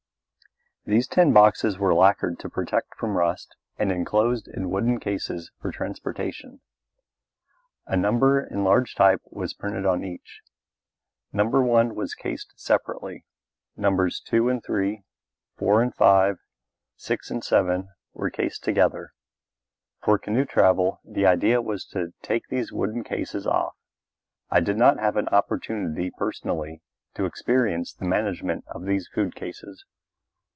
These tin boxes were lacquered to protect from rust and enclosed in wooden cases for transportation. A number in large type was printed on each. No. 1 was cased separately; Nos. 2 and 3, 4 and 5, 6 and 7 were cased together. For canoe travel the idea was to take these wooden cases off. I did not have an opportunity personally to experience the management of these food cases.